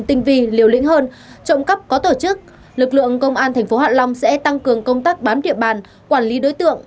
tình vị liều lĩnh hơn trộm cắp có tổ chức lực lượng công an tp hạ long sẽ tăng cường công tác bán địa bàn quản lý đối tượng